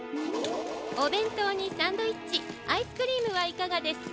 おべんとうにサンドイッチアイスクリームはいかがですか？